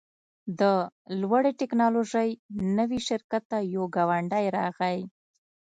د لوړې ټیکنالوژۍ نوي شرکت ته یو ګاونډی راغی